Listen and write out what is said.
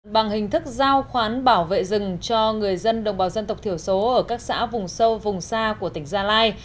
bằng hình thức giao khoán bảo vệ rừng cho người dân đồng bào dân tộc thiểu số ở các xã vùng sâu vùng xa của tỉnh gia lai